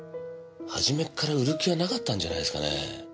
初めっから売る気はなかったんじゃないですかね。